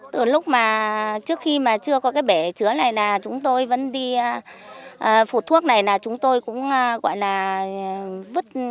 từ lúc mà trước khi mà chưa có cái bể chứa này là chúng tôi vẫn đi phụ thuốc này là chúng tôi cũng gọi là vứt